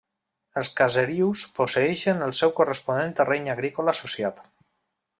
Els caserius posseïxen el seu corresponent terreny agrícola associat.